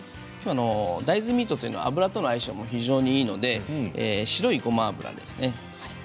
大豆ミートは油との相性も非常にいいので白いごま油ですね。